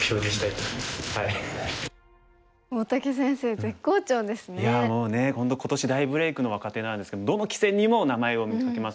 いやもうね本当今年大ブレークの若手なんですけどどの棋戦にも名前を見かけますよね。